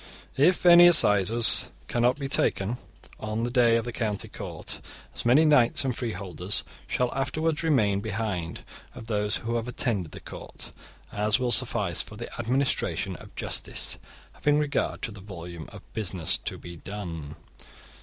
(19) If any assizes cannot be taken on the day of the county court, as many knights and freeholders shall afterwards remain behind, of those who have attended the court, as will suffice for the administration of justice, having regard to the volume of business to be done.